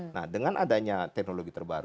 nah dengan adanya teknologi terbaru